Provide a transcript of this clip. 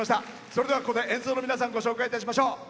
それでは、ここで演奏の皆さんご紹介いたしましょう。